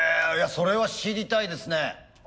それは知りたいですね。